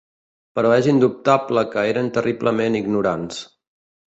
Però és indubtable que eren terriblement ignorants